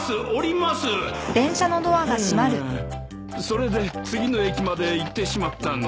それで次の駅まで行ってしまったんだ。